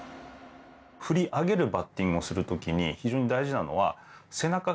振り上げるバッティングをするときに非常に大事なのは背中側ですね。